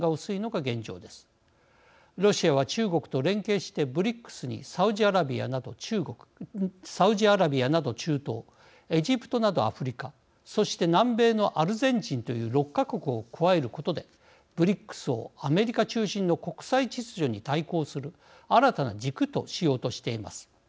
ロシアは中国と連携してＢＲＩＣＳにサウジアラビアなど中東エジプトなどアフリカそして南米のアルゼンチンという６か国を加えることでＢＲＩＣＳをアメリカ中心の国際秩序に対抗する新たな軸としようとしています。